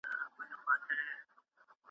له نشې څخه ځان وساتئ.